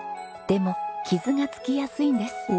でも傷がつきやすいんです。